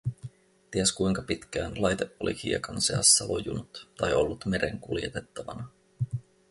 Ties kuinka pitkään laite oli hiekan seassa lojunut tai ollut meren kuljetettavana.